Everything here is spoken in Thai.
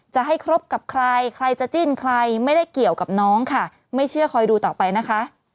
จะให้ครบกับใครใครจะจิ้นใครไม่ได้เกี่ยวกับน้องค่ะไม่เชื่อคอยดูต่อไปนะคะ